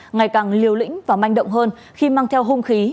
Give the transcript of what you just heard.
ngày càng liều lĩnh và manh động hơn khi mang theo hung khí